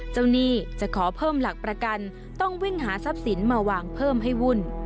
หนี้จะขอเพิ่มหลักประกันต้องวิ่งหาทรัพย์สินมาวางเพิ่มให้วุ่น